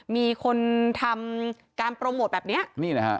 มีคนทำการโปรโมทแบบนี้